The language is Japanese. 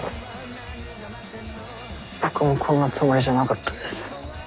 僕もこんなつもりじゃなかったです。